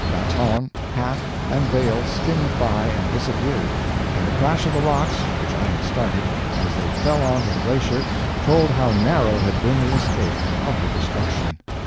Baton, hat, and veil skimmed by and disappeared, and the crash of the rocks which I had started as they fell on to the glacier, told how narrow had been the escape from utter destruction.